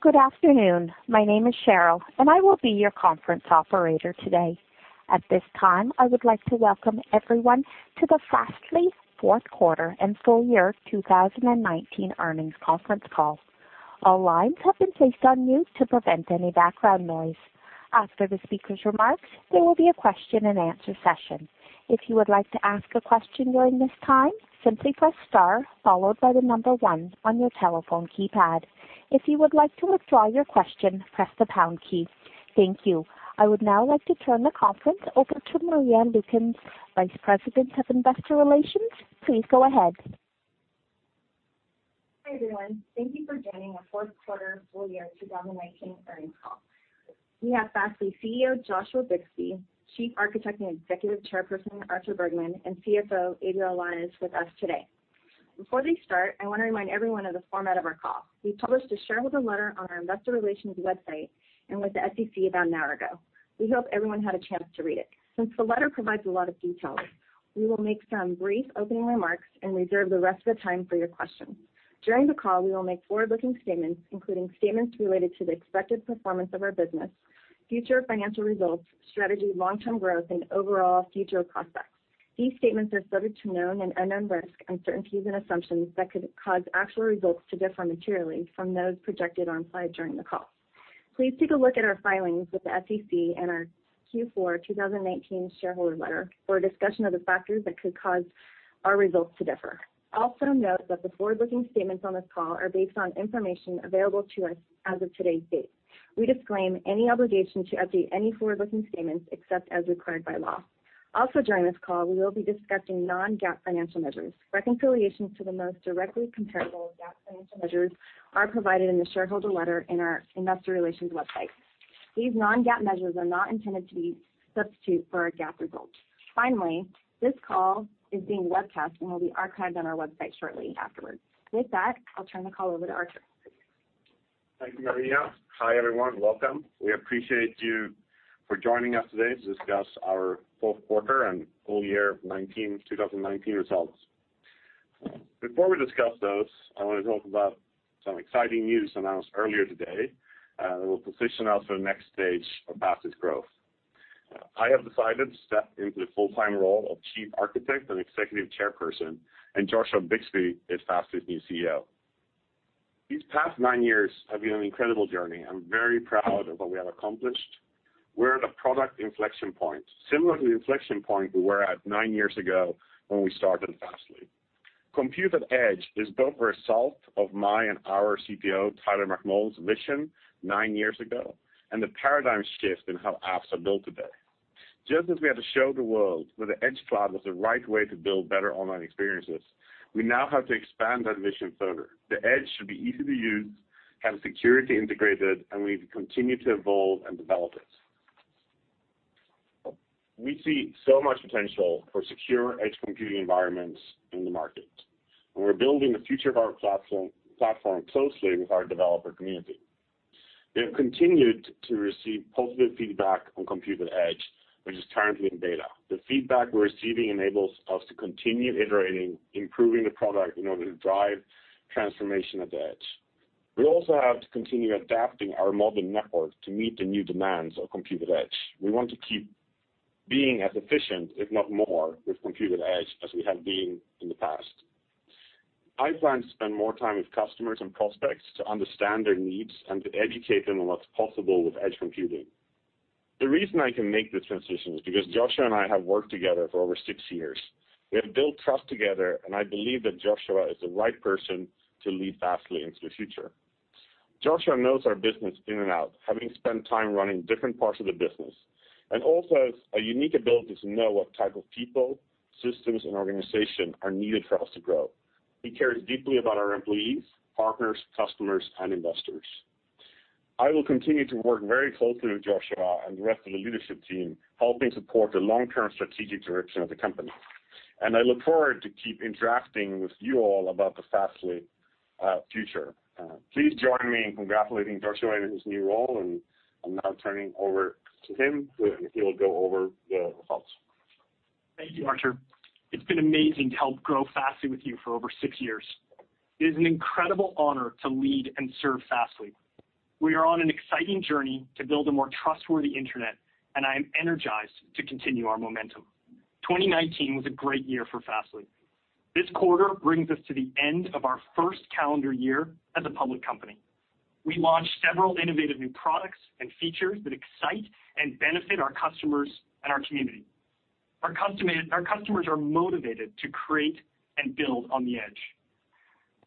Good afternoon. My name is Cheryl, and I will be your conference operator today. At this time, I would like to welcome everyone to the Fastly Q4 and full year 2019 earnings conference call. All lines have been placed on mute to prevent any background noise. After the speaker's remarks, there will be a question-and-answer session. If you would like to ask a question during this time, simply press star followed by the number one on your telephone keypad. If you would like to withdraw your question, press the pound key. Thank you. I would now like to turn the conference over to Maria Lukens, Vice President of Investor Relations. Please go ahead. Hi, everyone. Thank you for joining our Q4 full year 2019 earnings call. We have Fastly CEO, Joshua Bixby, Chief Architect and Executive Chairperson, Artur Bergman, and CFO, Adriel Lares is with us today. Before they start, I want to remind everyone of the format of our call. We published a shareholder letter on our investor relations website and with the SEC about an hour ago. We hope everyone had a chance to read it. Since the letter provides a lot of details, we will make some brief opening remarks and reserve the rest of the time for your questions. During the call, we will make forward-looking statements, including statements related to the expected performance of our business, future financial results, strategy, long-term growth, and overall future prospects. These statements are subject to known and unknown risks, uncertainties and assumptions that could cause actual results to differ materially from those projected or implied during the call. Please take a look at our filings with the SEC and our Q4 2019 shareholder letter for a discussion of the factors that could cause our results to differ. Also note that the forward-looking statements on this call are based on information available to us as of today's date. We disclaim any obligation to update any forward-looking statements except as required by law. Also, during this call, we will be discussing non-GAAP financial measures. Reconciliations to the most directly comparable GAAP financial measures are provided in the shareholder letter in our investor relations website. These non-GAAP measures are not intended to be a substitute for our GAAP results. Finally, this call is being webcast and will be archived on our website shortly afterwards. With that, I'll turn the call over to Artur. Thank you, Maria. Hi, everyone. Welcome. We appreciate you for joining us today to discuss our Q4 and full year 2019 results. Before we discuss those, I want to talk about some exciting news announced earlier today that will position us for the next stage of Fastly's growth. I have decided to step into the full-time role of Chief Architect and Executive Chairperson, and Joshua Bixby is Fastly's new CEO. These past nine years have been an incredible journey. I'm very proud of what we have accomplished. We're at a product inflection point, similar to the inflection point we were at nine years ago when we started Fastly. Compute@Edge is both a result of my and our CPO, Tyler McMullen's vision nine years ago and the paradigm shift in how apps are built today. Just as we had to show the world where the Edge Cloud was the right way to build better online experiences, we now have to expand that vision further. The edge should be easy to use, have security integrated, and we need to continue to evolve and develop it. We see so much potential for secure edge computing environments in the market, and we're building the future of our platform closely with our developer community. We have continued to receive positive feedback on Compute@Edge, which is currently in beta. The feedback we're receiving enables us to continue iterating, improving the product in order to drive transformation at the edge. We also have to continue adapting our modern network to meet the new demands of Compute@Edge. We want to keep being as efficient, if not more, with Compute@Edge as we have been in the past. I plan to spend more time with customers and prospects to understand their needs and to educate them on what's possible with edge computing. The reason I can make this transition is because Joshua and I have worked together for over six years. We have built trust together, and I believe that Joshua is the right person to lead Fastly into the future. Joshua knows our business in and out, having spent time running different parts of the business, and also has a unique ability to know what type of people, systems, and organization are needed for us to grow. He cares deeply about our employees, partners, customers, and investors. I will continue to work very closely with Joshua and the rest of the leadership team, helping support the long-term strategic direction of the company, and I look forward to keep interacting with you all about the Fastly future. Please join me in congratulating Joshua in his new role, and I'm now turning over to him, and he will go over the results. Thank you, Artur. It's been amazing to help grow Fastly with you for over six years. It is an incredible honor to lead and serve Fastly. We are on an exciting journey to build a more trustworthy Internet, and I am energized to continue our momentum. 2019 was a great year for Fastly. This quarter brings us to the end of our first calendar year as a public company. We launched several innovative new products and features that excite and benefit our customers and our community. Our customers are motivated to create and build on the Edge.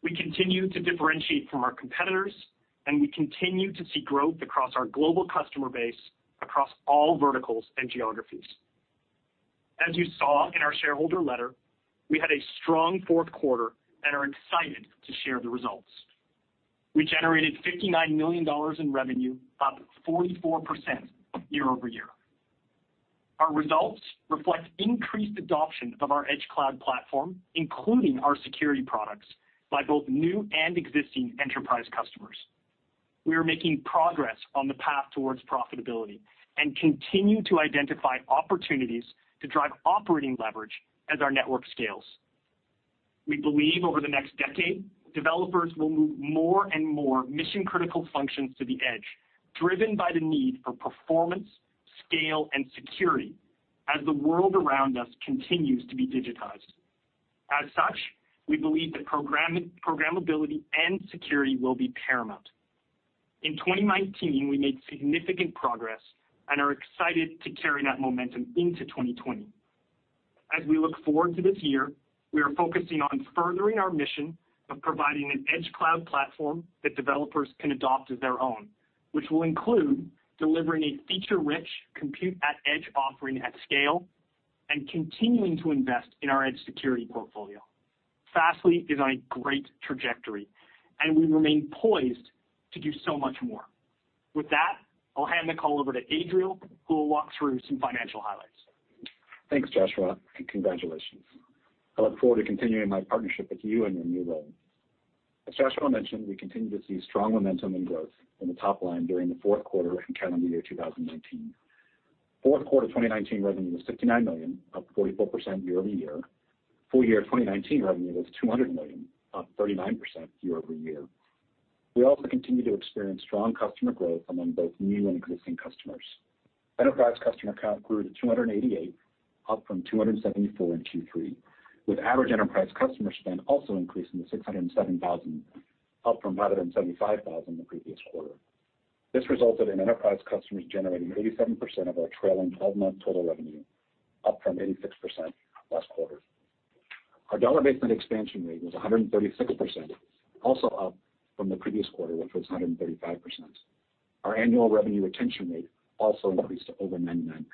We continue to differentiate from our competitors, and we continue to see growth across our global customer base across all verticals and geographies. As you saw in our shareholder letter, we had a strong Q4 and are excited to share the results. We generated $59 million in revenue, up 44% year-over-year. Our results reflect increased adoption of our Edge Cloud platform, including our security products, by both new and existing enterprise customers. We are making progress on the path towards profitability and continue to identify opportunities to drive operating leverage as our network scales. We believe over the next decade, developers will move more and more mission-critical functions to the edge, driven by the need for performance, scale, and security as the world around us continues to be digitized. As such, we believe that programmability and security will be paramount. In 2019, we made significant progress and are excited to carry that momentum into 2020. As we look forward to this year, we are focusing on furthering our mission of providing an Edge Cloud platform that developers can adopt as their own, which will include delivering a feature-rich Compute@Edge offering at scale and continuing to invest in our edge security portfolio. Fastly is on a great trajectory, and we remain poised to do so much more. With that, I'll hand the call over to Adriel, who will walk through some financial highlights. Thanks, Joshua, and congratulations. I look forward to continuing my partnership with you in your new role. As Joshua mentioned, we continue to see strong momentum and growth in the top line during the Q4 and calendar year 2019. Q4 2019 revenue was $69 million, up 44% year-over-year. Full year 2019 revenue was $200 million, up 39% year-over-year. We also continue to experience strong customer growth among both new and existing customers. Enterprise customer count grew to 288, up from 274 in Q3, with average enterprise customer spend also increasing to $607,000, up from $575,000 the previous quarter. This resulted in enterprise customers generating 87% of our trailing 12-month total revenue, up from 86% last quarter. Our Dollar-Based Expansion Rate was 136%, also up from the previous quarter, which was 135%. Our annual revenue retention rate also increased to over 99%.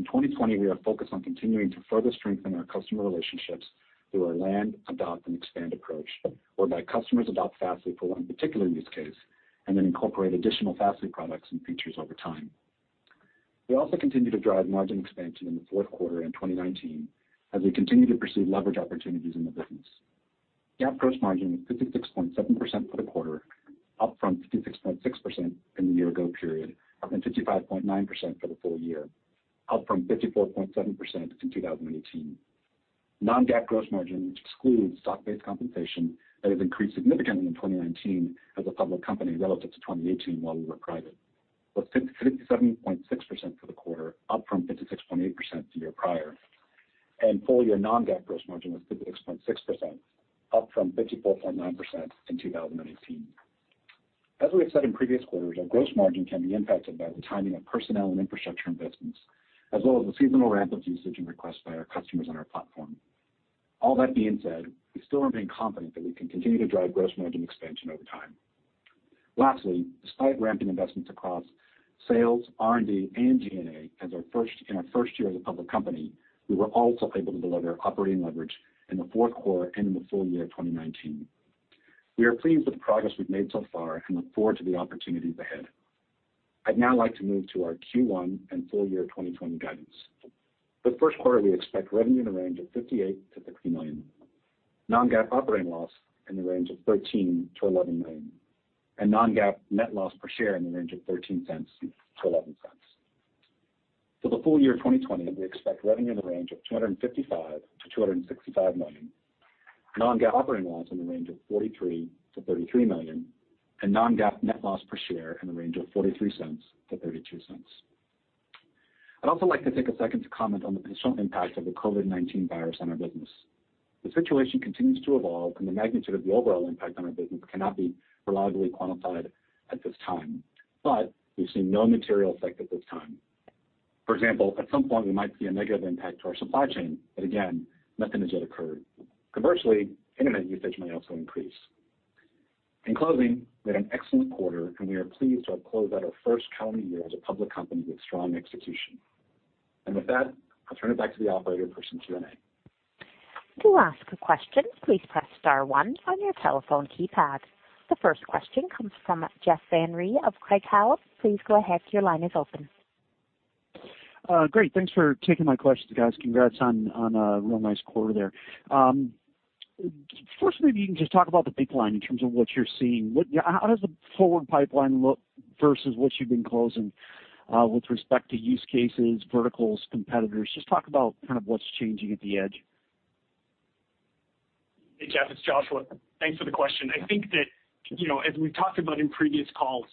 In 2020, we are focused on continuing to further strengthen our customer relationships through our land, adopt, and expand approach, whereby customers adopt Fastly for one particular use case and then incorporate additional Fastly products and features over time. We also continued to drive margin expansion in the Q4 in 2019 as we continue to pursue leverage opportunities in the business. GAAP gross margin was 56.7% for the quarter, up from 56.6% in the year ago period, up from 55.9% for the full year, up from 54.7% in 2018. Non-GAAP gross margin, which excludes stock-based compensation that has increased significantly in 2019 as a public company relative to 2018 while we were private, was 57.6% for the quarter, up from 56.8% the year prior. Full year non-GAAP gross margin was 56.6%, up from 54.9% in 2018. As we have said in previous quarters, our gross margin can be impacted by the timing of personnel and infrastructure investments, as well as the seasonal ramp of usage and requests by our customers on our platform. All that being said, we still remain confident that we can continue to drive gross margin expansion over time. Lastly, despite ramping investments across sales, R&D, and G&A in our first year as a public company, we were also able to deliver operating leverage in the Q4 and in the full year 2019. We are pleased with the progress we've made so far and look forward to the opportunities ahead. I'd now like to move to our Q1 and full year 2020 guidance. For the Q1, we expect revenue in the range of $58-$60 million, non-GAAP operating loss in the range of $13-$11 million, and non-GAAP net loss per share in the range of $0.13-$0.11. For the full year 2020, we expect revenue in the range of $255-$265 million, non-GAAP operating loss in the range of $43-$33 million, and non-GAAP net loss per share in the range of $0.43-$0.32. I'd also like to take a second to comment on the potential impact of the COVID-19 virus on our business. The situation continues to evolve, and the magnitude of the overall impact on our business cannot be reliably quantified at this time, but we've seen no material effect at this time. For example, at some point, we might see a negative impact to our supply chain. Again, nothing has yet occurred. Conversely, internet usage may also increase. In closing, we had an excellent quarter. We are pleased to have closed out our first calendar year as a public company with strong execution. With that, I'll turn it back to the operator for some Q&A. To ask a question, please press star one on your telephone keypad. The first question comes from Jeff Van Rhee of Craig-Hallum. Please go ahead. Your line is open. Great. Thanks for taking my questions, guys. Congrats on a real nice quarter there. First, maybe you can just talk about the pipeline in terms of what you're seeing. How does the forward pipeline look versus what you've been closing with respect to use cases, verticals, competitors? Just talk about kind of what's changing at the edge. Hey, Jeff, it's Joshua. Thanks for the question. I think that as we've talked about in previous calls,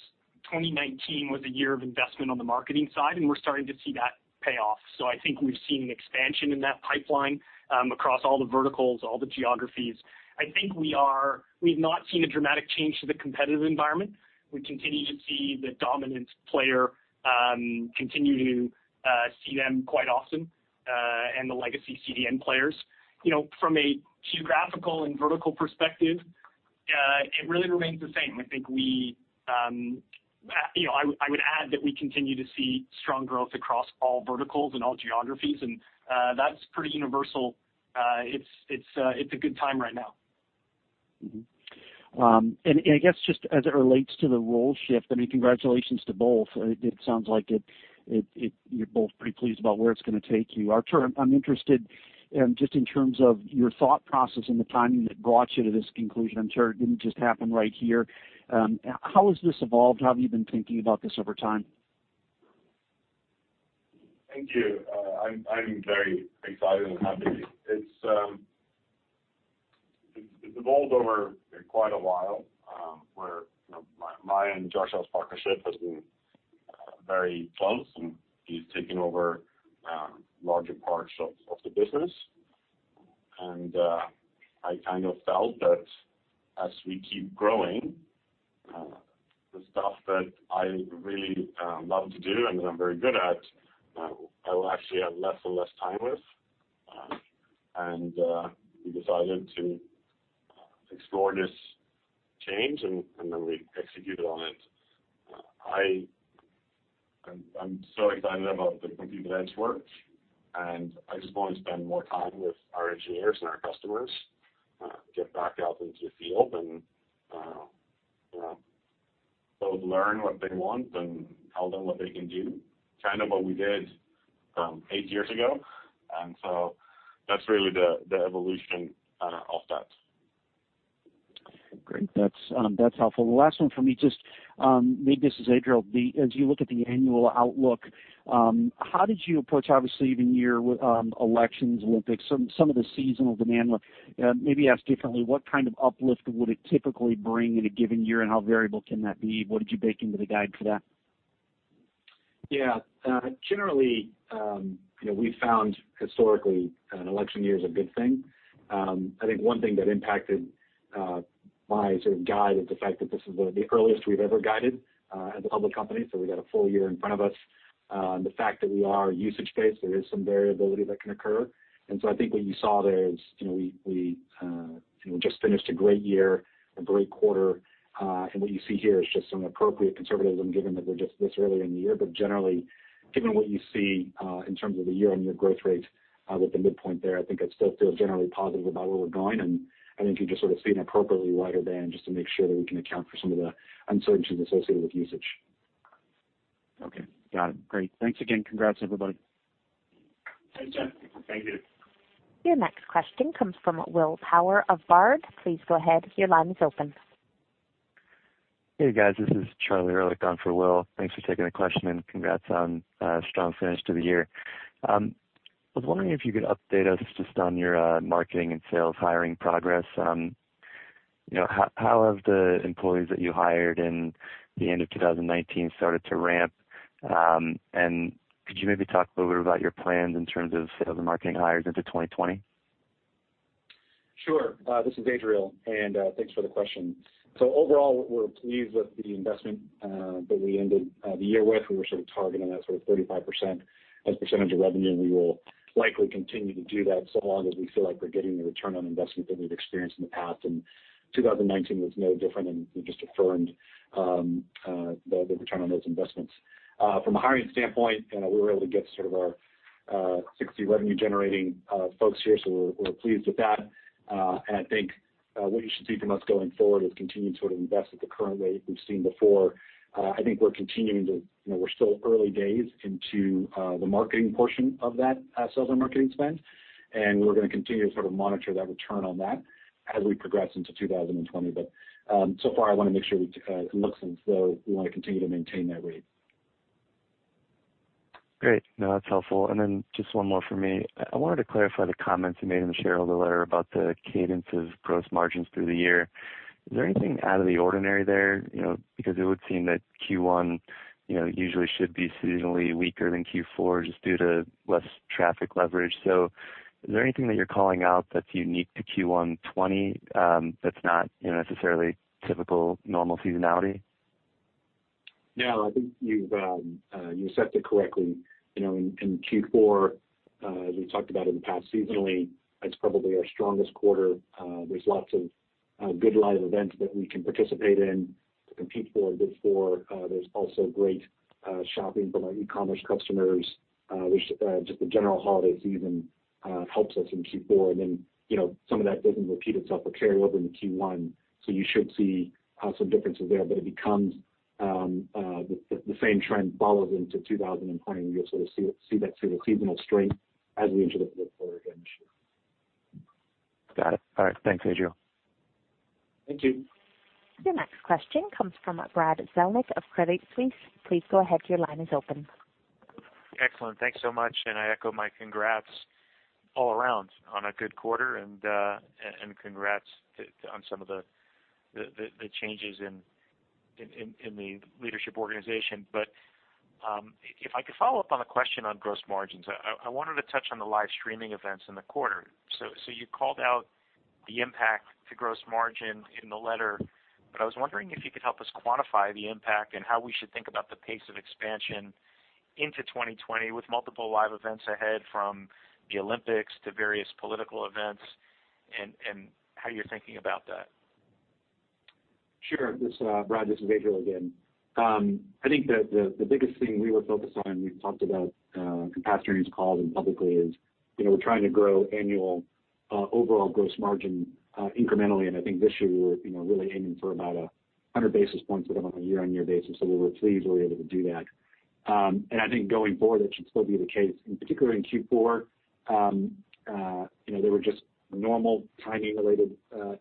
2019 was a year of investment on the marketing side, and we're starting to see that pay off. I think we've seen an expansion in that pipeline across all the verticals, all the geographies. I think we've not seen a dramatic change to the competitive environment. We continue to see the dominant player, continue to see them quite often, and the legacy CDN players. From a geographical and vertical perspective, it really remains the same. I would add that we continue to see strong growth across all verticals and all geographies, and that's pretty universal. It's a good time right now. I guess just as it relates to the role shift, I mean, congratulations to both. It sounds like you're both pretty pleased about where it's going to take you. I'm interested just in terms of your thought process and the timing that brought you to this conclusion. I'm sure it didn't just happen right here. How has this evolved? How have you been thinking about this over time? Thank you. I'm very excited and happy. It's evolved over quite a while, where my and Josh Bixby's partnership has been very close, he's taking over larger parts of the business. I kind of felt that as we keep growing, the stuff that I really love to do and that I'm very good at, I will actually have less and less time with. We decided to explore this change, we executed on it. I'm so excited about the Compute@Edge work, I just want to spend more time with our engineers and our customers, get back out into the field, both learn what they want and tell them what they can do. Kind of what we did eight years ago. That's really the evolution of that. Great. That's helpful. The last one from me, just maybe this is Adriel. As you look at the annual outlook, how did you approach, obviously, the year with elections, Olympics, some of the seasonal demand? Maybe ask differently, what kind of uplift would it typically bring in a given year, and how variable can that be? What did you bake into the guide for that? Yeah. Generally, we've found historically, an election year is a good thing. I think one thing that impacted my sort of guide is the fact that this is the earliest we've ever guided as a public company, so we got a full year in front of us. The fact that we are usage-based, there is some variability that can occur. I think what you saw there is we just finished a great year, a great quarter. What you see here is just some appropriate conservatism given that we're just this early in the year. Generally, given what you see in terms of the year-on-year growth rate with the midpoint there, I think I'd still feel generally positive about where we're going. I think you're just sort of seeing appropriately wider band just to make sure that we can account for some of the uncertainties associated with usage. Okay. Got it. Great. Thanks again. Congrats everybody. Thanks, Jeff. Thank you. Your next question comes from William Power of Baird. Please go ahead, your line is open. Hey, guys, this is Charlie Erlikh on for Will. Thanks for taking the question, congrats on a strong finish to the year. I was wondering if you could update us just on your marketing and sales hiring progress. How have the employees that you hired in the end of 2019 started to ramp? Could you maybe talk a little bit about your plans in terms of sales and marketing hires into 2020? Sure. This is Adriel, thanks for the question. Overall, we're pleased with the investment that we ended the year with. We were sort of targeting that sort of 35% as a percentage of revenue, we will likely continue to do that so long as we feel like we're getting the return on investment that we've experienced in the past. 2019 was no different, we just affirmed the return on those investments. From a hiring standpoint, we were able to get sort of our 60-revenue-generating folks here, we're pleased with that. I think what you should see from us going forward is continuing to sort of invest at the current rate we've seen before. We're still early days into the marketing portion of that sales and marketing spend, we're going to continue to sort of monitor that return on that as we progress into 2020. So far, I want to make sure it looks as though we want to continue to maintain that rate. Great. No, that's helpful. Just one more from me. I wanted to clarify the comments you made in the shareholder letter about the cadence of gross margins through the year. Is there anything out of the ordinary there? It would seem that Q1 usually should be seasonally weaker than Q4 just due to less traffic leverage. Is there anything that you're calling out that's unique to Q1 2020 that's not necessarily typical normal seasonality? No, I think you've said it correctly. In Q4, as we've talked about in the past seasonally, it's probably our strongest quarter. There's lots of good live events that we can participate in to compete for good. There's also great shopping from our e-commerce customers. There's just the general holiday season helps us in Q4. Some of that doesn't repeat itself or carry over into Q1. You should see some differences there, it becomes the same trend follows into 2020, and you'll sort of see that sort of seasonal strength as we enter the Q4 again this year. Got it. All right. Thanks, Adriel. Thank you. Your next question comes from Brad Zelnick of Credit Suisse. Please go ahead. Your line is open. Excellent. Thanks so much. I echo my congrats all around on a good quarter, and congrats on some of the changes in the leadership organization. If I could follow up on a question on gross margins, I wanted to touch on the live streaming events in the quarter. You called out the impact to gross margin in the letter, but I was wondering if you could help us quantify the impact and how we should think about the pace of expansion into 2020 with multiple live events ahead, from the Olympics to various political events, and how you're thinking about that. Sure. Brad, this is Adriel again. I think the biggest thing we were focused on, we've talked about in past earnings calls and publicly, is we're trying to grow annual overall gross margin incrementally. I think this year we were really aiming for about 100-basis points of it on a year-on-year basis. We were pleased we were able to do that. I think going forward, that should still be the case. In particular in Q4, there were just normal timing-related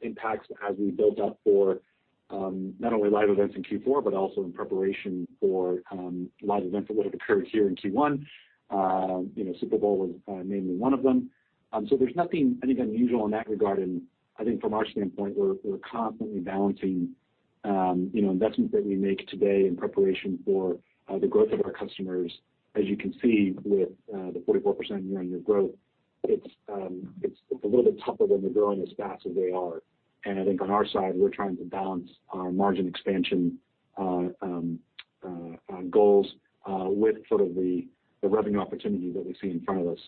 impacts as we built up for not only live events in Q4, but also in preparation for live events that would have occurred here in Q1. Super Bowl was mainly one of them. There's nothing, I think, unusual in that regard. I think from our standpoint, we're constantly balancing investments that we make today in preparation for the growth of our customers. As you can see with the 44% year-on-year growth, it's a little bit tougher when they're growing as fast as they are. I think on our side, we're trying to balance our margin expansion goals with sort of the revenue opportunity that we see in front of us.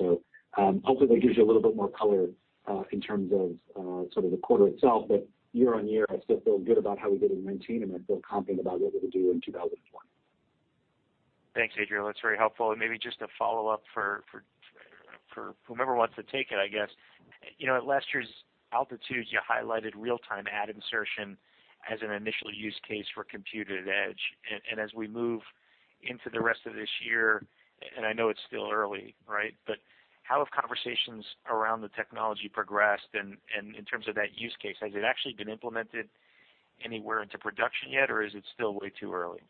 Hopefully that gives you a little bit more color in terms of sort of the quarter itself. Year-on-year, I still feel good about how we did in 2019, and I feel confident about what we're going to do in 2020. Thanks, Adriel. That's very helpful. Maybe just a follow-up for whomever wants to take it, I guess. At last year's Altitude, you highlighted real-time ad insertion as an initial use case for Compute@Edge. As we move into the rest of this year, and I know it's still early, right, but how have conversations around the technology progressed and in terms of that use case, has it actually been implemented anywhere into production yet, or is it still way too early?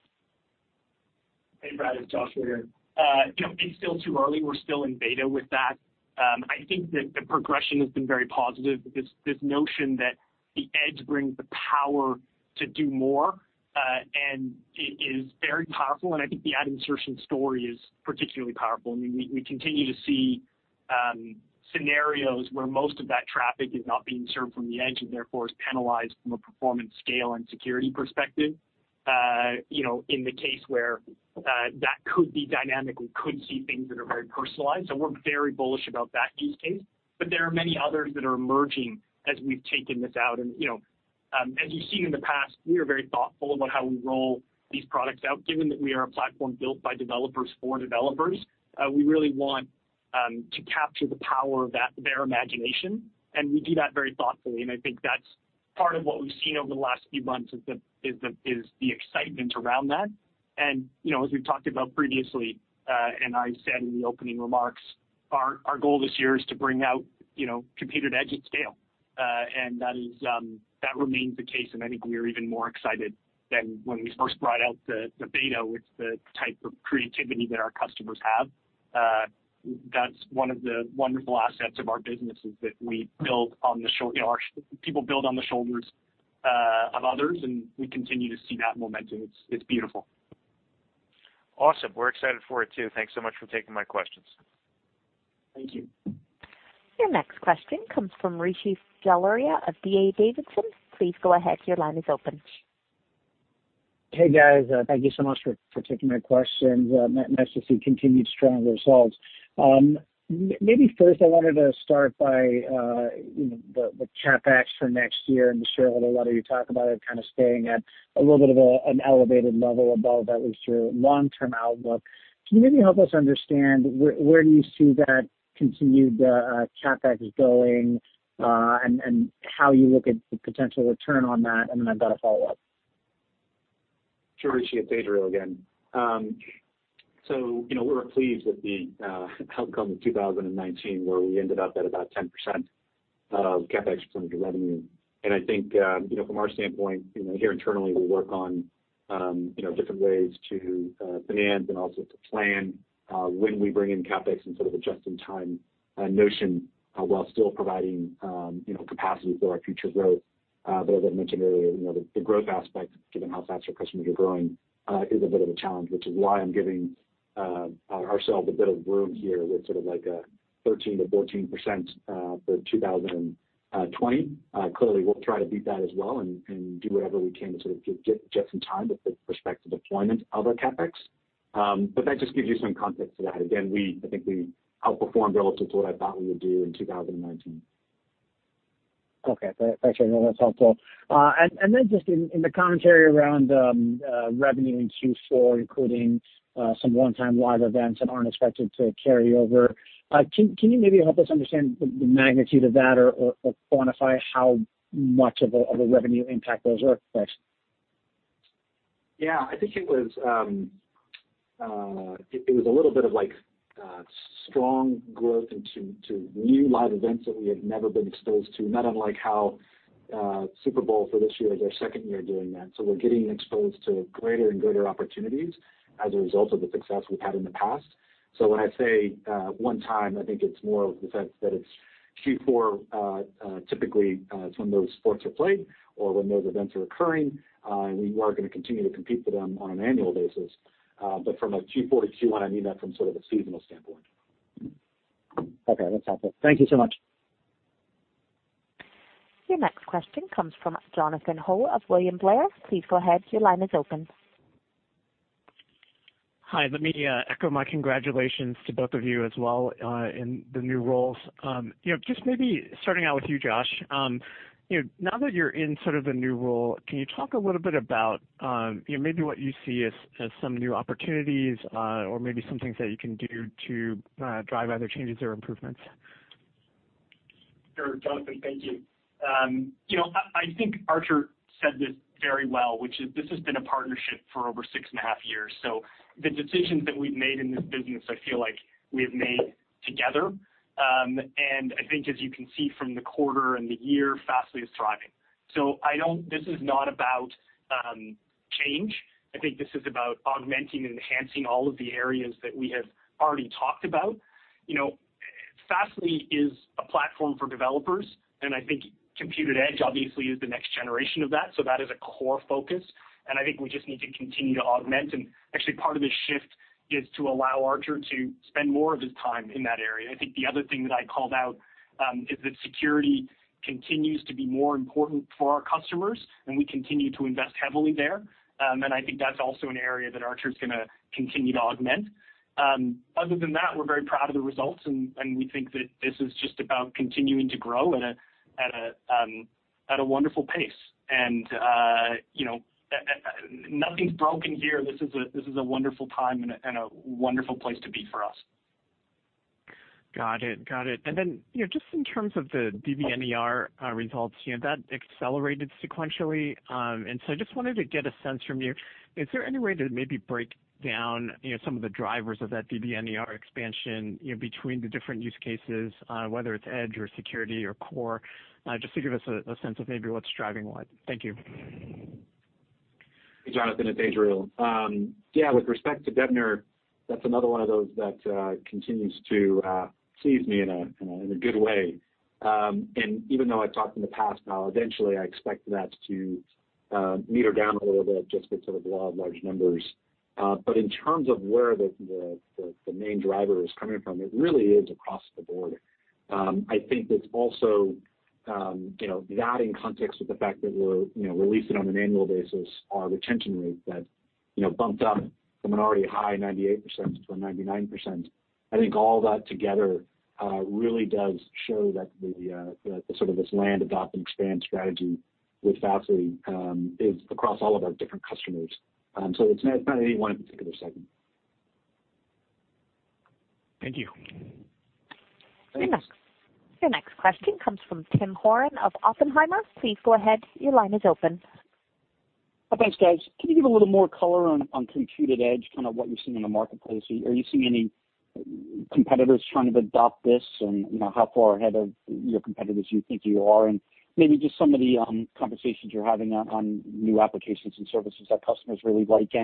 Hey, Brad, it's Josh here. It's still too early. We're still in beta with that. I think that the progression has been very positive. This notion that the edge brings the power to do more, and it is very powerful, and I think the ad insertion story is particularly powerful, and we continue to see scenarios where most of that traffic is not being served from the edge and therefore is penalized from a performance, scale, and security perspective. In the case where that could be dynamic, we could see things that are very personalized. We're very bullish about that use case. There are many others that are emerging as we've taken this out. As you've seen in the past, we are very thoughtful about how we roll these products out, given that we are a platform built by developers for developers. We really want to capture the power of their imagination, and we do that very thoughtfully. I think that's part of what we've seen over the last few months is the excitement around that. As we've talked about previously, and I said in the opening remarks, our goal this year is to bring out Compute@Edge at scale. That remains the case, and I think we are even more excited than when we first brought out the beta with the type of creativity that our customers have. That's one of the wonderful assets of our business is that people build on the shoulders of others, and we continue to see that momentum. It's beautiful. Awesome. We're excited for it, too. Thanks so much for taking my questions. Thank you. Your next question comes from Rishi Jaluria of D.A. Davidson. Please go ahead. Your line is open. Hey, guys. Thank you so much for taking my questions. Nice to see continued strong results. Maybe first I wanted to start by the CapEx for next year and just hear a little whether you talk about it kind of staying at a little bit of an elevated level above at least your long-term outlook. Can you maybe help us understand where do you see that continued CapEx going, and how you look at the potential return on that? I've got a follow-up. Sure, Rishi. It's Adriel again. We were pleased with the outcome of 2019, where we ended up at about 10% of CapEx from the revenue. I think from our standpoint here internally, we work on different ways to finance and also to plan when we bring in CapEx and sort of a just-in-time notion while still providing capacity for our future growth. As I mentioned earlier, the growth aspect, given how fast our customers are growing, is a bit of a challenge, which is why I'm giving ourselves a bit of room here with sort of like a 13%-14% for 2020. Clearly, we'll try to beat that as well and do whatever we can to sort of get just in time with the prospective deployment of our CapEx. That just gives you some context to that. Again, I think we outperformed relative to what I thought we would do in 2019. Okay. Thanks, Adriel. That's helpful. Just in the commentary around revenue in Q4, including some one-time live events that aren't expected to carry over, can you maybe help us understand the magnitude of that or quantify how much of a revenue impact those are, please? Yeah, I think it was a little bit of strong growth into new live events that we had never been exposed to, not unlike how Super Bowl for this year is our second year doing that. We're getting exposed to greater and greater opportunities as a result of the success we've had in the past. When I say one time, I think it's more of the sense that it's Q4. Typically, it's when those sports are played or when those events are occurring. We are going to continue to compete for them on an annual basis. From a Q4-Q1, I mean that from sort of a seasonal standpoint. Okay. That's helpful. Thank you so much. Your next question comes from Jonathan Ho of William Blair. Please go ahead. Your line is open. Hi. Let me echo my congratulations to both of you as well in the new roles. Maybe starting out with you, Josh. Now that you're in sort of a new role, can you talk a little bit about maybe what you see as some new opportunities or maybe some things that you can do to drive either changes or improvements? Sure, Jonathan, thank you. I think Artur said this very well, which is this has been a partnership for over six and a half years. The decisions that we've made in this business, I feel like we have made together. I think as you can see from the quarter and the year, Fastly is thriving. This is not about change. I think this is about augmenting and enhancing all of the areas that we have already talked about. Fastly is a platform for developers, and I think Compute@Edge obviously is the next generation of that. That is a core focus, and I think we just need to continue to augment. Actually, part of the shift is to allow Artur to spend more of his time in that area. I think the other thing that I called out is that security continues to be more important for our customers, and we continue to invest heavily there. I think that's also an area that Artur's going to continue to augment. Other than that, we're very proud of the results, and we think that this is just about continuing to grow at a wonderful pace. Nothing's broken here. This is a wonderful time and a wonderful place to be for us. Got it. Just in terms of the DBNER results, that accelerated sequentially. I just wanted to get a sense from you, is there any way to maybe break down some of the drivers of that DBNER expansion between the different use cases, whether it's edge or security or core, just to give us a sense of maybe what's driving what? Thank you. Jonathan, it's Adriel. Yeah, with respect to DBNER, that's another one of those that continues to please me in a good way. Even though I've talked in the past how eventually I expect that to meter down a little bit just because of the law of large numbers. In terms of where the main driver is coming from, it really is across the board. I think that's also that in context with the fact that we're releasing on an annual basis our retention rate that bumped up from an already high 98% to a 99%. I think all that together really does show that the sort of this land adopts and expand strategy with Fastly, is across all of our different customers. It's not any one in particular segment. Thank you. Thanks. Your next question comes from Tim Horan of Oppenheimer. Please go ahead. Your line is open. Thanks, guys. Can you give a little more color on Compute@Edge, kind of what you're seeing in the marketplace? Are you seeing any competitors trying to adopt this, and how far ahead of your competitors do you think you are? Maybe just some of the conversations you're having on new applications and services that customers really like.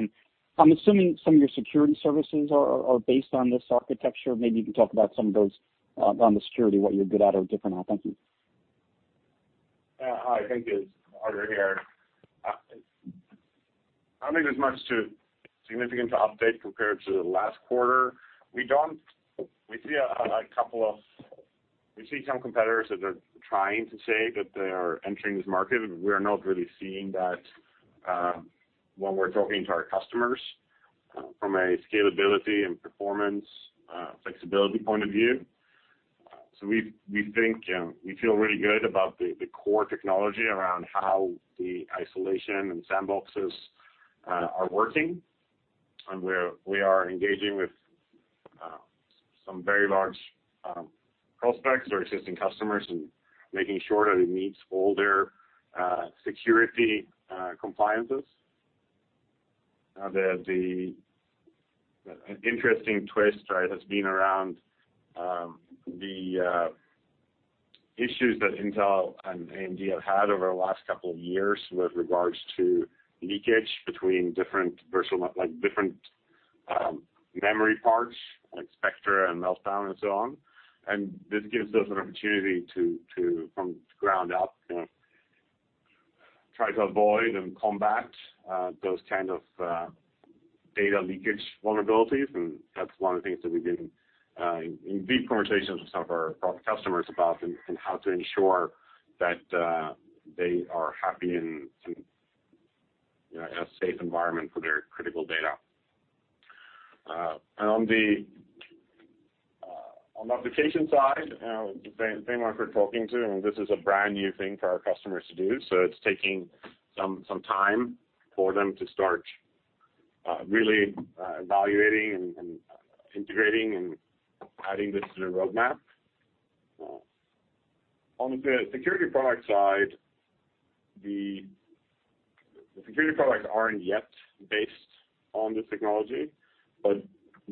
I'm assuming some of your security services are based on this architecture. Maybe you can talk about some of those on the security, what you're good at or different on. Thank you. Yeah. Hi, thank you. Artur here. I don't think there's much to significant to update compared to the last quarter. We see some competitors that are trying to say that they are entering this market, but we're not really seeing that when we're talking to our customers from a scalability and performance, flexibility point of view. We feel really good about the core technology around how the isolation and sandboxes are working, and we are engaging with some very large prospects or existing customers and making sure that it meets all their security compliances. The interesting twist has been around the issues that Intel and AMD have had over the last couple of years with regards to leakage between different memory parts like Spectre and Meltdown and so on. This gives us an opportunity to, from ground up, try to avoid and combat those kind of data leakage vulnerabilities, and that's one of the things that we've been in deep conversations with some of our customers about and how to ensure that they are happy in a safe environment for their critical data. On the application side, the same ones we're talking to, and this is a brand new thing for our customers to do. It's taking some time for them to start really evaluating and integrating and adding this to their roadmap. On the security product side, the security products aren't yet based on this technology, but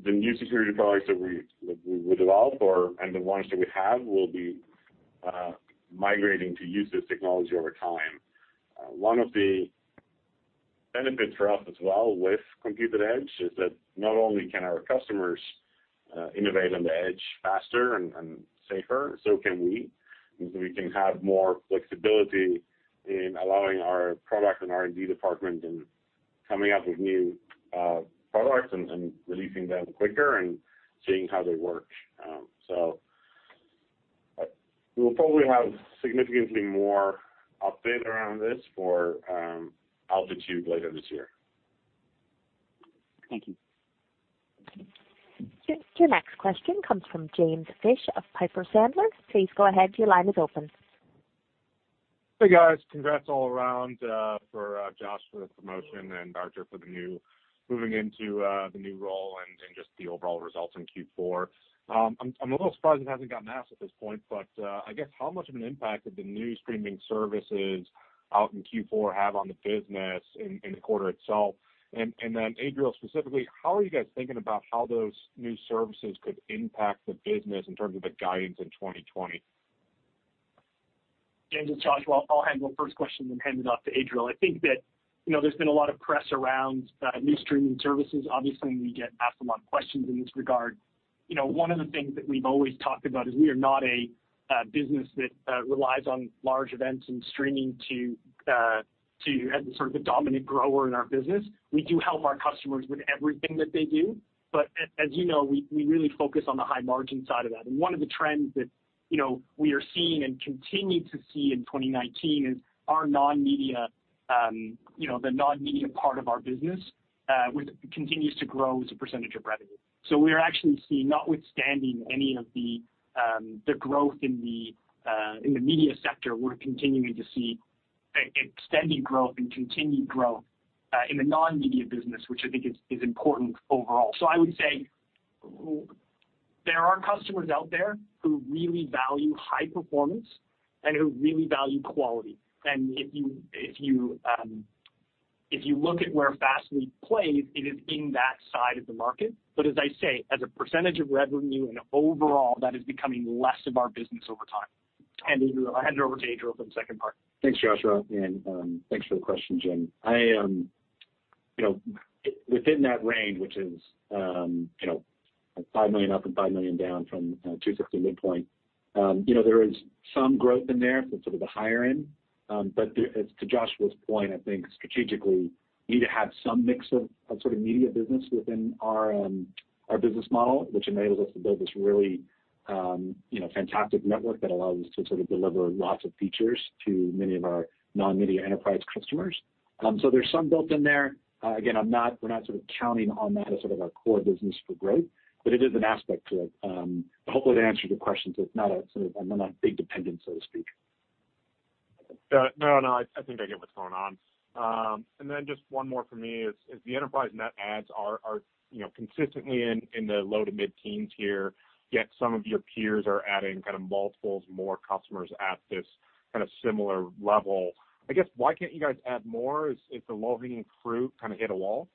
the new security products that we would develop and the ones that we have will be migrating to use this technology over time. One of the benefits for us as well with Compute@Edge is that not only can our customers innovate on the edge faster and safer, so can we. Means that we can have more flexibility in allowing our product and R&D department in coming up with new products and releasing them quicker and seeing how they work. We will probably have significantly more update around this for Altitude later this year. Thank you. Your next question comes from James Fish of Piper Sandler. Please go ahead. Your line is open. Hey, guys. Congrats all around, for Josh for the promotion and Artur for moving into the new role and just the overall results in Q4. I'm a little surprised it hasn't gotten asked at this point, but I guess how much of an impact did the new streaming services out in Q4 have on the business in the quarter itself? Adriel specifically, how are you guys thinking about how those new services could impact the business in terms of the guidance in 2020? James and Josh, I'll handle the first question, then hand it off to Adriel. I think that there's been a lot of press around new streaming services. Obviously, we get asked a lot of questions in this regard. One of the things that we've always talked about is we are not a business that relies on large events and streaming to as the dominant grower in our business. We do help our customers with everything that they do. As you know, we really focus on the high margin side of that. One of the trends that we are seeing and continue to see in 2019 is the non-media part of our business continues to grow as a percentage of revenue. We are actually seeing, notwithstanding any of the growth in the media sector, we're continuing to see extended growth and continued growth, in the non-media business, which I think is important overall. I would say there are customers out there who really value high performance and who really value quality. If you look at where Fastly plays, it is in that side of the market. As I say, as a percentage of revenue and overall, that is becoming less of our business over time. I'll hand it over to Adriel for the second part. Thanks, Joshua, and thanks for the question, Jim. Within that range, which is $5 million up and $5 million down from $260 midpoint, there is some growth in there for the higher end. To Joshua's point, I think strategically, we need to have some mix of media business within our business model, which enables us to build this really fantastic network that allows us to deliver lots of features to many of our non-media enterprise customers. There's some built-in there. Again, we're not counting on that as our core business for growth, but it is an aspect to it. Hopefully that answers your question. It's not a big dependent, so to speak. No, I think I get what's going on. Just one more for me is the enterprise net adds are consistently in the low to mid-teens here, yet some of your peers are adding multiples more customers at this similar level. I guess, why can't you guys add more? Is the low-hanging fruit hit a wall?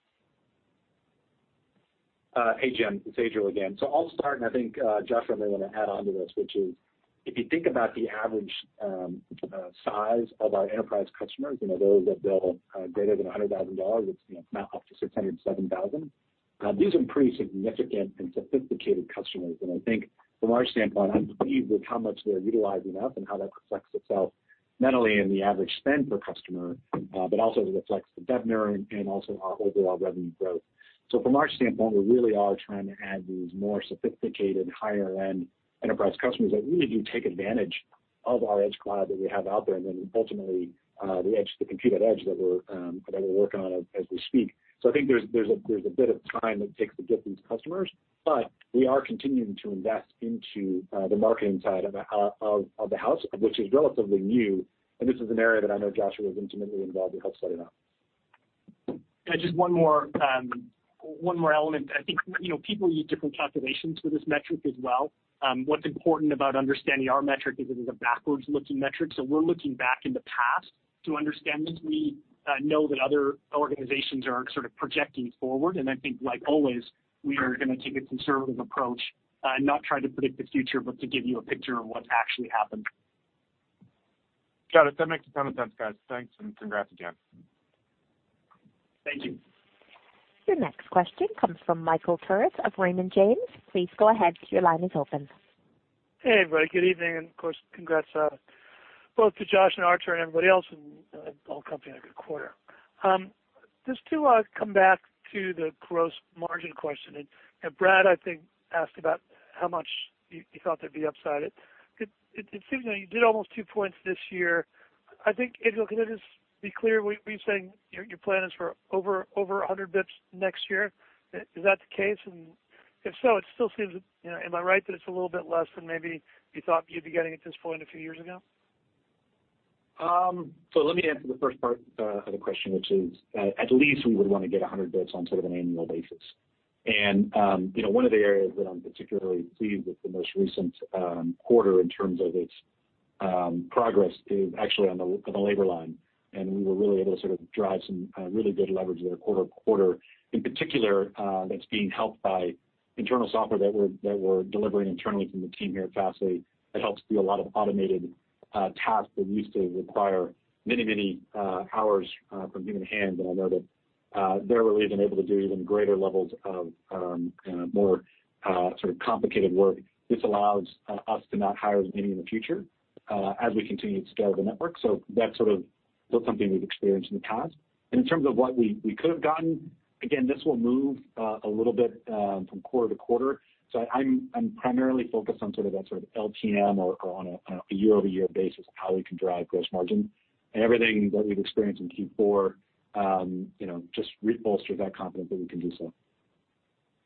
Hey, Jim, it's Adriel again. I'll start, and I think Joshua may want to add onto this, which is, if you think about the average size of our enterprise customers, those that bill greater than $100,000, it's now up to $607,000. These are pretty significant and sophisticated customers. I think from our standpoint, I'm pleased with how much they're utilizing us and how that reflects itself, not only in the average spend per customer, but also it reflects the DBNER and also our overall revenue growth. From our standpoint, we really are trying to add these more sophisticated, higher-end enterprise customers that really do take advantage of our Edge Cloud that we have out there. Ultimately, the Compute@Edge that we're working on as we speak. I think there's a bit of time it takes to get these customers, but we are continuing to invest into the marketing side of the house, which is relatively new. This is an area that I know Joshua was intimately involved and helped set it up. Yeah, just one more element. I think people use different calculations for this metric as well. What's important about understanding our metric is it is a backwards-looking metric. We're looking back in the past to understand this. We know that other organizations are projecting forward. I think like always, we are going to take a conservative approach and not try to predict the future, but to give you a picture of what's actually happened. Got it. That makes a ton of sense, guys. Thanks. Congrats again. Thank you. Your next question comes from Michael Turits of Raymond James. Please go ahead, your line is open. Hey, everybody. Good evening, and of course, congrats both to Josh and Artur and everybody else and the whole company on a good quarter. Brad, I think, asked about how much you thought there'd be upside it. It seems now you did almost two points this year. I think that Adriel, can I just be clear, were you saying your plan is for over 100-basis points next year? Is that the case? If so, am I right that it's a little bit less than maybe you thought you'd be getting at this point a few years ago? Let me answer the first part of the question, which is, at least we would want to get 100-basis points on an annual basis. One of the areas that I'm particularly pleased with the most recent quarter in terms of its progress is actually on the labor line. We were really able to drive some really good leverage their quarter-over-quarter. In particular, that's being helped by internal software that we're delivering internally from the team here at Fastly that helps do a lot of automated tasks that used to require many hours from human hands. I know that they're really even able to do even greater levels of more complicated work. This allows us to not hire as many in the future as we continue to scale the network. That's something we've experienced in the past. In terms of what we could have gotten, again, this will move a little bit from quarter to quarter. I'm primarily focused on that sort of LTM or on a year-over-year basis, how we can drive gross margin. Everything that we've experienced in Q4 just rebolsters that confidence that we can do so.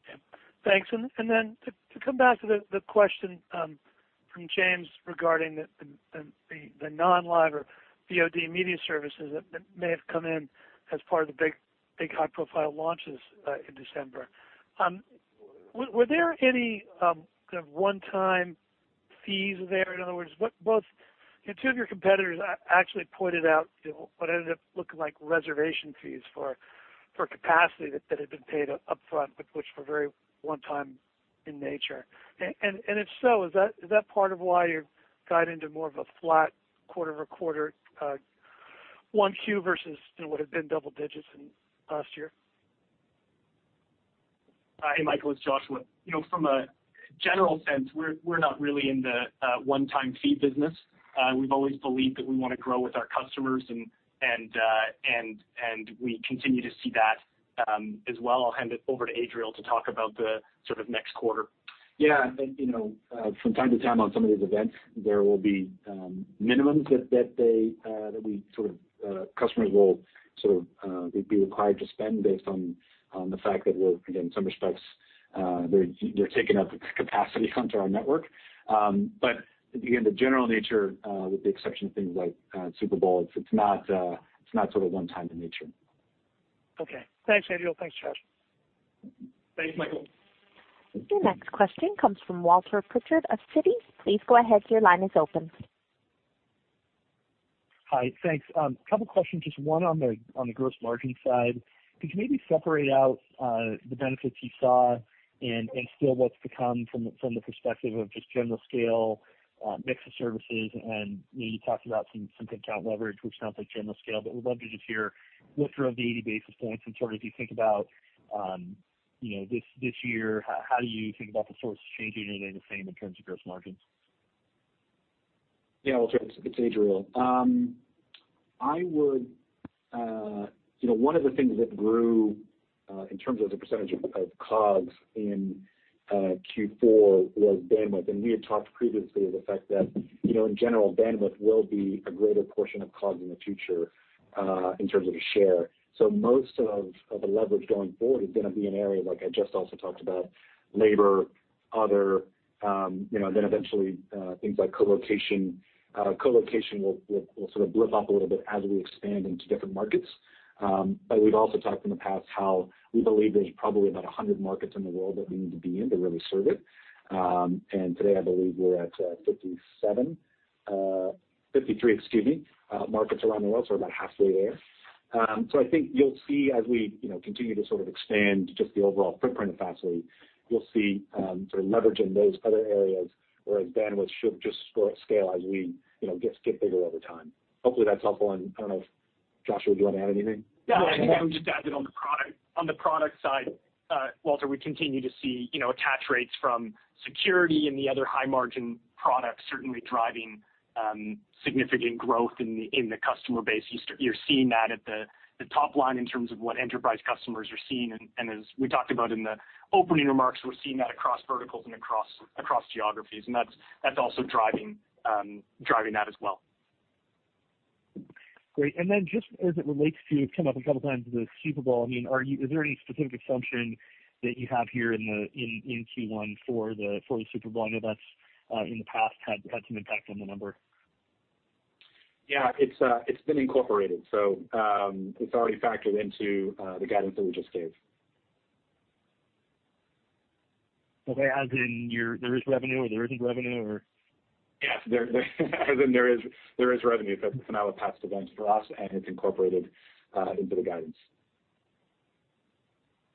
Yeah. Thanks. To come back to the question from James regarding the non-live or VOD media services that may have come in as part of the big high-profile launches in December. Were there any one-time fees there? In other words, two of your competitors actually pointed out what ended up looking like reservation fees for capacity that had been paid upfront, but which were very one-time in nature. If so, is that part of why you're guiding to more of a flat quarter-over-quarter 1Q versus what had been double digits in the past year? Hi, Michael. It's Joshua. From a general sense, we're not really in the one-time fee business. We've always believed that we want to grow with our customers, and we continue to see that as well. I'll hand it over to Adriel to talk about the next quarter. Yeah. From time to time on some of these events, there will be minimums that customers will be required to spend based on the fact that we're, again, in some respects, they're taking up capacity onto our network. Again, the general nature, with the exception of things like Super Bowl, it's not one time in nature. Okay. Thanks, Adriel. Thanks, Josh. Thanks, Michael. Your next question comes from Walter Pritchard of Citi. Please go ahead, your line is open. Hi, thanks. Couple questions. Just one on the gross margin side. Could you maybe separate out the benefits you saw and still what's to come from the perspective of just general scale, mix of services, and you talked about some head count leverage, which sounds like general scale, but we'd love to just hear what drove the 80 basis points and sort of if you think about this year, how do you think about the source changing? Are they the same in terms of gross margins? Yeah, Walter, this is Adriel. One of the things that grew, in terms of the percentage of COGS in Q4, was bandwidth. We had talked previously of the fact that, in general, bandwidth will be a greater portion of COGS in the future in terms of the share. Most of the leverage going forward is going to be in areas like I just also talked about, labor, other, then eventually things like co-location. Co-location will sort of blip up a little bit as we expand into different markets. We've also talked in the past how we believe there's probably about 100 markets in the world that we need to be in to really serve it. Today, I believe we're at 53 markets around the world, so about halfway there. I think you'll see as we continue to expand just the overall footprint of Fastly, you'll see leverage in those other areas, whereas bandwidth should just scale as we get bigger over time. Hopefully that's helpful, and I don't know if, Joshua, would you want to add anything? Yeah. I would just add that on the product side, Walter, we continue to see attach rates from security and the other high-margin products certainly driving significant growth in the customer base. You're seeing that at the top line in terms of what enterprise customers are seeing. As we talked about in the opening remarks, we're seeing that across verticals and across geographies. That's also driving that as well. Great. Just as it relates to, it's come up a couple of times, the Super Bowl. Is there any specific assumption that you have here in Q1 for the Super Bowl? I know that's, in the past, had some impact on the number. Yeah. It's been incorporated. It's already factored into the guidance that we just gave. Okay. As in there is revenue, or there isn't revenue, or? Yeah. As in there is revenue because it's now a past event for us, and it's incorporated into the guidance.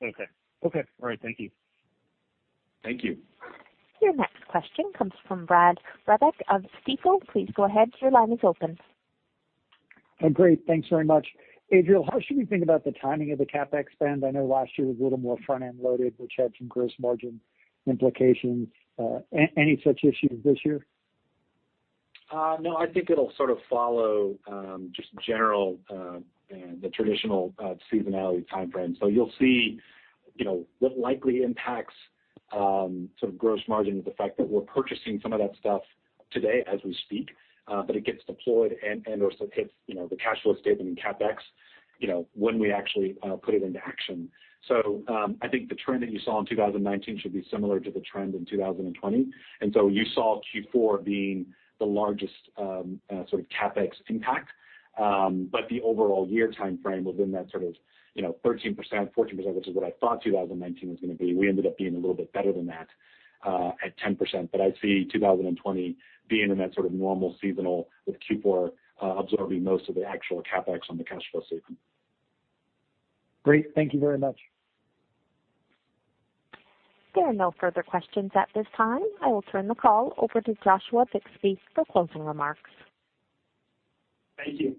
Okay. All right. Thank you. Thank you. Your next question comes from Brad Reback of Stifel. Please go ahead. Your line is open. Great. Thanks very much. Adriel, how should we think about the timing of the CapEx spend? I know last year was a little more front-end loaded, which had some gross margin implications. Any such issues this year? I think it'll sort of follow just general the traditional seasonality timeframe. You'll see what likely impacts gross margin is the fact that we're purchasing some of that stuff today as we speak, but it gets deployed and/or hits the cash flow statement and CapEx when we actually put it into action. I think the trend that you saw in 2019 should be similar to the trend in 2020. You saw Q4 being the largest CapEx impact. The overall year timeframe within that 13%-14%, which is what I thought 2019 was going to be, we ended up being a little bit better than that at 10%. I'd see 2020 being in that sort of normal seasonal with Q4 absorbing most of the actual CapEx on the cash flow statement. Great. Thank you very much. There are no further questions at this time. I will turn the call over to Joshua Bixby for closing remarks. Thank you.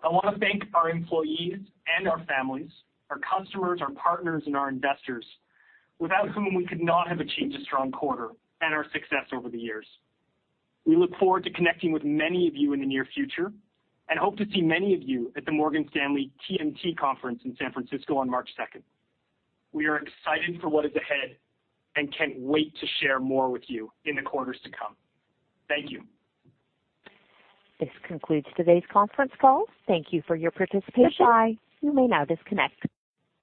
I want to thank our employees and our families, our customers, our partners, and our investors, without whom we could not have achieved a strong quarter and our success over the years. We look forward to connecting with many of you in the near future and hope to see many of you at the Morgan Stanley TMT Conference in San Francisco on March 2nd. We are excited for what is ahead and can't wait to share more with you in the quarters to come. Thank you. This concludes today's conference call. Thank you for your participation. Goodbye. You may now disconnect.